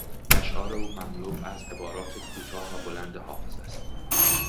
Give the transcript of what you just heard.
اشعار او مملو از عبارات کوتاه و بلند حافظ است.